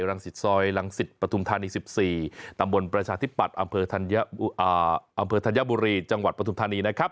รังสิทธิ์ซอยรังสิทธิ์ประทุมธานี๑๔ตำบลประชาธิปัตย์อำเภอธัญบุรีจังหวัดประทุมธานี